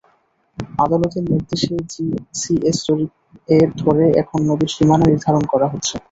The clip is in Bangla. আদালতের নির্দেশে সিএস জরিপ ধরে এখন নদীর সীমানা নির্ধারণ করা হচ্ছে।